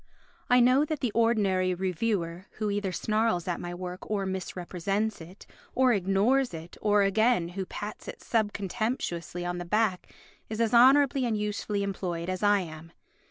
I know that the ordinary reviewer who either snarls at my work or misrepresents it or ignores it or, again, who pats it sub contemptuously on the back is as honourably and usefully employed as I am.